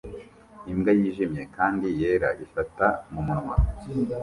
Imbwa yijimye kandi yera ifata mumunwa